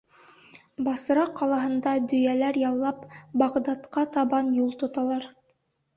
Басра ҡалаһында дөйәләр яллап, Бағдадҡа табан юл тоталар.